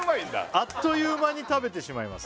「あっという間に食べてしまいます」